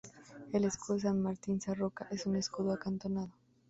El escudo de San Martín Sarroca es un escudo acantonado.